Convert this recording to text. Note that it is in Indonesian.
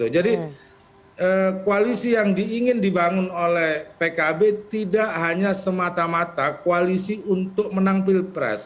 jadi koalisi yang diingin dibangun oleh pkb tidak hanya semata mata koalisi untuk menang pilpres